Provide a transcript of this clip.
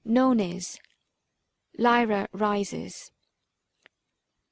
NONES. LYRA RISES.